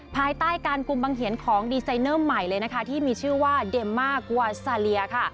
ภายใต้การกลุ่มบังเหียนของดีไซเนอร์ใหม่เลยนะคะที่มีชื่อว่าเดมมากวาซาเลียค่ะ